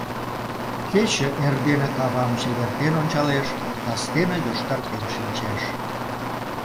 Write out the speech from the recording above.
Кече эрдене кавам чевертен ончалеш, кастене йошкартен шинчеш.